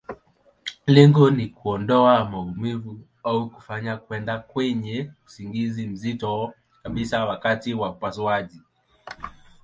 Lengo ni kuondoa maumivu, au kufanya kwenda kwenye usingizi mzito kabisa wakati wa upasuaji.